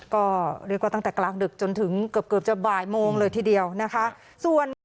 ก็เรียกว่าตั้งแต่กลางดึกจนถึงเกือบจะบ่ายโมงเลยทีเดียวนะคะ